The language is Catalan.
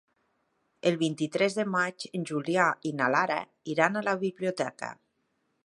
El vint-i-tres de maig en Julià i na Lara iran a la biblioteca.